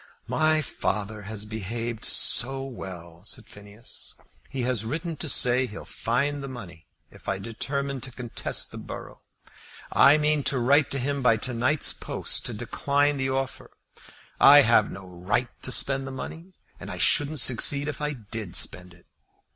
"My father has behaved so well!" said Phineas. "He has written to say he'll find the money, if I determine to contest the borough. I mean to write to him by to night's post to decline the offer. I have no right to spend the money, and I shouldn't succeed if I did spend it.